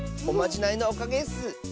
おまじないのおかげッス。